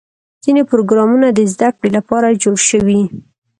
ځینې پروګرامونه د زدهکړې لپاره جوړ شوي.